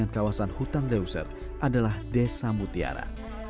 kawasan hutan leuser adalah desa mutiara